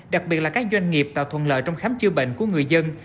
đặc biệt là các doanh nghiệp tạo thuận lợi trong khám chữa bệnh của người dân